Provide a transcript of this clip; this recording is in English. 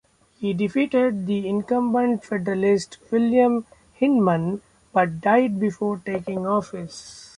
He defeated the incumbent Federalist, William Hindman but died before taking office.